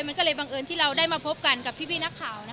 มันก็เลยบังเอิญที่เราได้มาพบกันกับพี่นักข่าว